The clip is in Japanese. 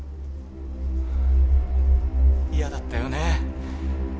嫌だったよね？